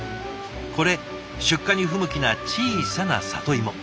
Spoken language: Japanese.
これ出荷に不向きな小さな里芋。